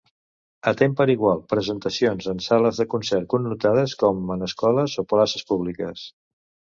Atén per igual presentacions en sales de concert connotades com en escoles o places públiques.